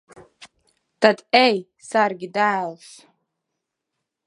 Tad ej, sargi dēlus.